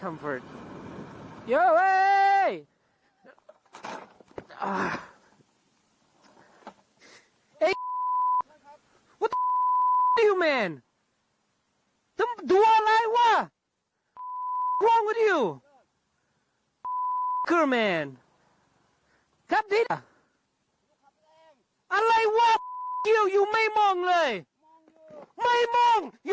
ไม่มองอยู่มองอะไรมองนู้นเลย